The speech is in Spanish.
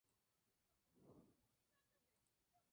Siguiendo la misma vía natural.